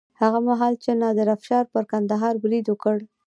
هغه مهال چې نادر افشار پر کندهار برید وکړ.